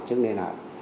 trước đền hạ